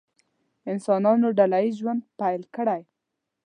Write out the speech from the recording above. انسانانو ډله ییز ژوند پیل کړی.